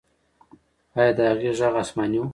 آیا د هغې ږغ آسماني و؟